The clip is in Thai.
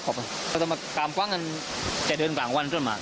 เขาต้องมากลามกว้างกันแต่เดินกลางวันก็ไม่มาก